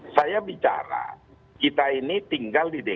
saya bicara kita ini tinggal di dki